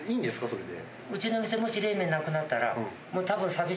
それで。